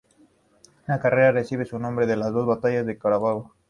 La carrera recibe su nombre de las dos batallas de Carabobo.